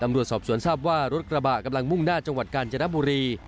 สอบสวนทราบว่ารถกระบะกำลังมุ่งหน้าจังหวัดกาญจนบุรี